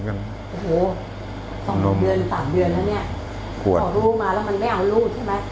โอ้โห๒๓เดือนแล้วเนี่ยขอลูกมาแล้วมันไม่เอาลูกใช่ไหม